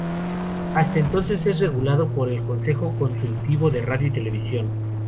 Hasta entonces es regulado por el Consejo Consultivo de Radio y Televisión.